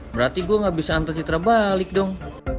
berarti gue gak bisa antar citra balik dong